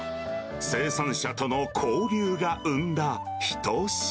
生産者との交流が生んだ一品。